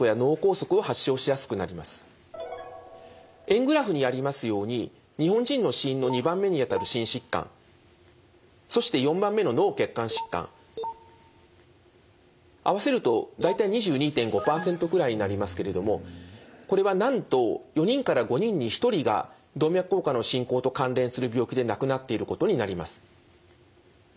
円グラフにありますように日本人の死因の２番目にあたる心疾患そして４番目の脳血管疾患合わせると大体２２．５％ぐらいになりますけれどもこれはなんと４人から５人に１人が動脈硬化の進行と関連する病気で亡くなっていることになります。